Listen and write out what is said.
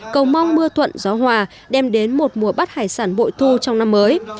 cầu mong mưa thuận gió hòa đem đến một mùa bắt hải sản bội thu trong năm mới